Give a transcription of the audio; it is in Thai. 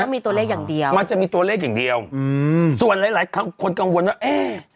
เขามีตัวเลขอย่างเดียวมันจะมีตัวเลขอย่างเดียวส่วนหลายคนกังวลว่า